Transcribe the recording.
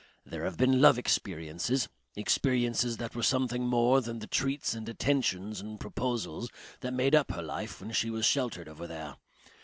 There have been love experiences; experiences that were something more than the treats and attentions and proposals that made up her life when she was sheltered over there.